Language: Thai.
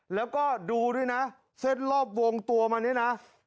แล้วก็ดูด้วยนะเส้นรอบวงตัวมานี่นะ